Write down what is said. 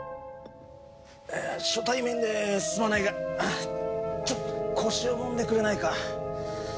初対面ですまないがちょっと腰をもんでくれないか？